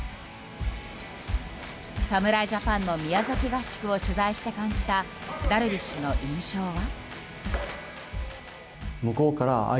侍ジャパンの宮崎合宿を取材して感じたダルビッシュの印象は。